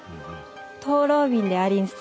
灯籠鬢でありんす。